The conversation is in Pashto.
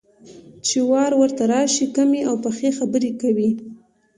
چې وار ورته راشي، کمې او پخې خبرې کوي.